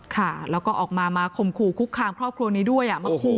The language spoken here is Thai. ค่ะแล้วก็ออกมามาข่มขู่คุกคามครอบครัวนี้ด้วยมาขู่